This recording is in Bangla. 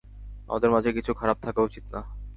আমাদের মাঝে খারাপ কিছু থাকা উচিত না।